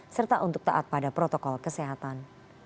serta untuk taat pada protokol kesehatan